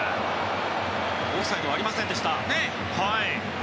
オフサイドはありませんでした。